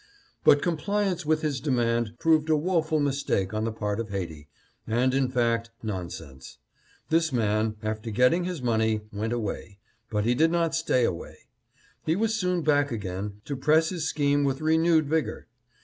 " But compliance with his demand proved a woful mistake on the part of Haiti, and, in fact, nonsense. This man, after getting his money, went away, but he 750 Haiti's mistake. did not stay away. He was soon back again to press his scheme with renewed vigor.